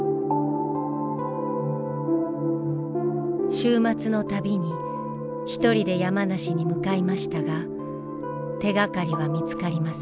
週末のたびに一人で山梨に向かいましたが手がかりは見つかりません。